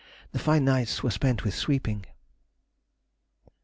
The fine nights were spent with sweeping.